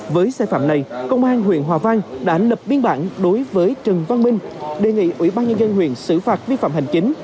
với xe phạm này công an huyện hòa vang đã ảnh lập biên bản đối với trần văn minh sinh một nghìn chín trăm chín mươi bảy